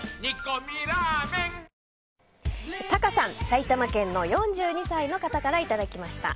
埼玉県、４２歳の方からいただきました。